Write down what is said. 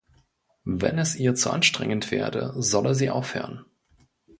Wenn es ihr zu anstrengend werde, solle sie aufhören.